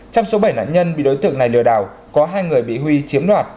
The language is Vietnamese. trong số bảy nạn nhân bị đối tượng này lừa đảo có hai người bị huy chiếm đoạt